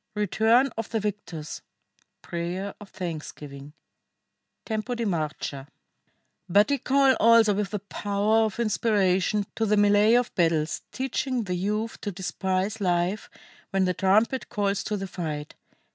RETURN OF THE VICTORS. PRAYER OF THANKSGIVING: Tempo di marcia] "But ye call also with the power of inspiration to the mêlée of battles, teaching the youth to despise life when the trumpet calls to the fight.